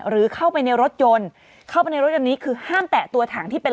หรือเข้าไปในรถยนต์เข้าไปในรถยนต์นี้คือห้ามแตะตัวถังที่เป็น